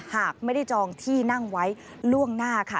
หากไม่ได้จองที่นั่งไว้ล่วงหน้าค่ะ